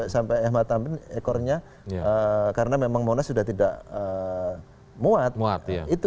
sampai ekornya karena memang monas sudah tidak muat